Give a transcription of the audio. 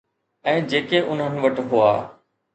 ۽ جيڪي انهن وٽ هئا.